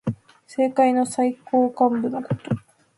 政界の最高幹部のこと。